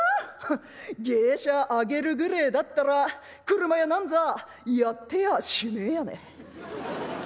ハッ芸者上げるぐれえだったら俥屋なんざやってやしねえやね」。